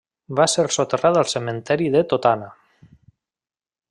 Va ser soterrat al cementeri de Totana.